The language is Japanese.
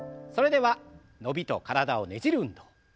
それでは伸びと体をねじる運動。